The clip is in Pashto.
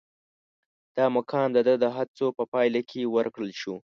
دا مقام د ده د هڅو په پایله کې ورکړل شو.